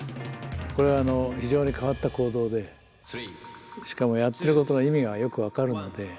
これは非常に変わった行動でしかもやってることの意味がよく分かるので。